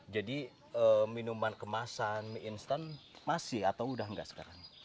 jadi minuman kemasan mie instan masih atau udah nggak sekarang